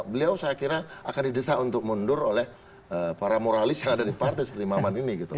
beliau saya kira akan didesak untuk mundur oleh para moralis yang ada di partai seperti maman ini gitu